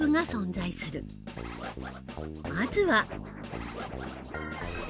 まずは。